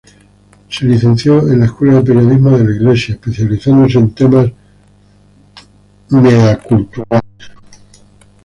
Se licenció en la Escuela de Periodismo de la Iglesia, especializándose en temas culturales.